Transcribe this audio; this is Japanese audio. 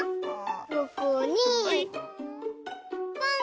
ここにポン！